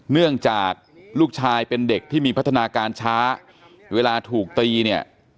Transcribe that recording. เนื่องจากลูกชายเป็นเด็กที่มีพัฒนาการช้าเวลาถูกตีเนี่ย